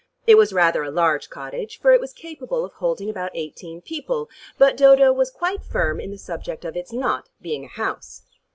It was rather a large cottage, for it was capable of holding about eighteen people, but Dodo was quite firm in the subject of its not being a house.